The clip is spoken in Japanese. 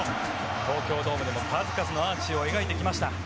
東京ドームでも数々のアーチを描いてきました。